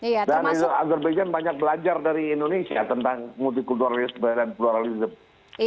dan azerbaijan banyak belajar dari indonesia tentang multi kulturalisme dan pluralisme